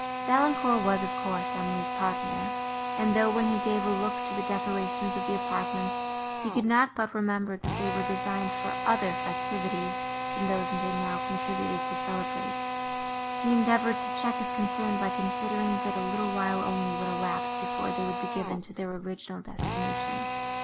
Valancourt was, of course, Emily's partner, and though, when he gave a look to the decorations of the apartments, he could not but remember, that they were designed for other festivities, than those they now contributed to celebrate, he endeavoured to check his concern by considering, that a little while only would elapse before they would be given to their original destination.